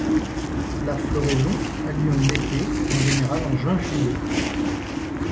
La floraison a lieu en été, en général en juin-juillet.